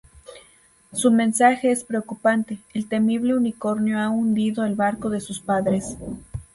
Su mensaje es preocupante: el temible unicornio ha hundido el barco de sus padres.